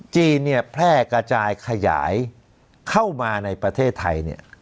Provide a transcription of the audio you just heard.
จีนเนี่ยแพร่กระจายขยายเข้ามาในประเทศไทยเนี่ย